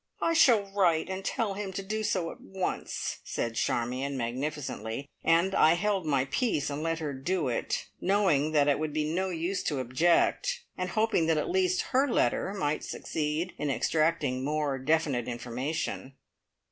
"I shall write and tell him to do so at once," said Charmion magnificently, and I held my peace and let her do it, knowing that it would be no use to object, and hoping that at least her letter might succeed in extracting some more definite information.